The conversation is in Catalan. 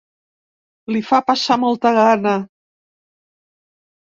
Li fa passar molta gana.